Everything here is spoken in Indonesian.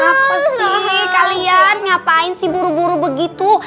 apa sih kalian ngapain sih buru buru begitu